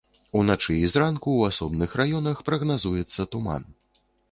Уначы і зранку ў асобных раёнах прагназуецца туман.